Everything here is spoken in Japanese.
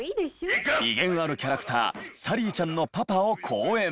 威厳あるキャラクターサリーちゃんのパパを好演。